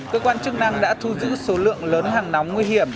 cơ quan chức năng đã thu giữ số lượng lớn hàng nóng nguy hiểm